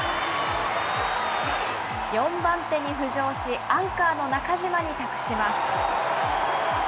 ４番手に浮上し、アンカーの中島に託します。